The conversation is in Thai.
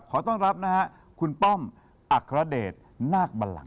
ขอต้อนรับนะฮะคุณป้อมอัครเดชนาคบัลลัง